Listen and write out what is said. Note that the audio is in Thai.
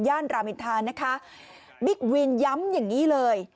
รามอินทานะคะบิ๊กวินย้ำอย่างงี้เลย